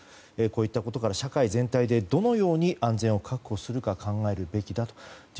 こういったことから社会全体でどのように安全を確保するか考えるべきだと。